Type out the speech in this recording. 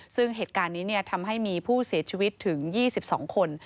ซึ่งเหตุการณ์นี้ทำให้มีผู้เสียชีวิตถึง๒๒คน